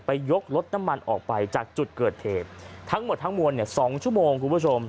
ยกรถน้ำมันออกไปจากจุดเกิดเหตุทั้งหมดทั้งมวลเนี่ย๒ชั่วโมงคุณผู้ชม